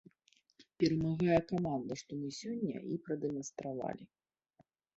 Перамагае каманда, што мы сёння і прадэманстравалі.